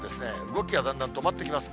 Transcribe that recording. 動きがだんだん止まってきます。